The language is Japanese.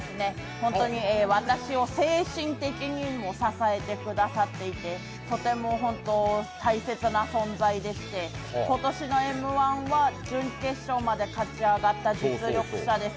本当に私を精神的にも支えてくださっていてとても大切な存在でして、今年のＭ−１は準決勝まで勝ち上がった実力者です。